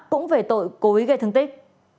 cũng về tội cố ý gây thương tích